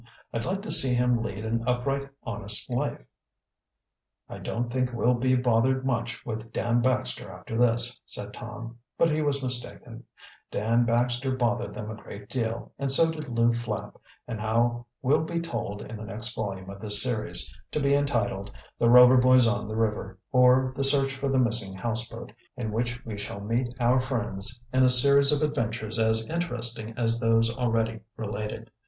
"I'd like to see him lead an upright, honest life." "I don't think we'll be bothered much with Dan Baxter after this," said Tom, but he was mistaken, Dan Baxter bothered them a great deal, and so did Lew Flapp, and how will be told in the next volume of this series, to be entitled, "The Rover Boys on the River; Or, The Search for the Missing Houseboat," in which we shall meet our old friends in a series of adventures as interesting as those already related.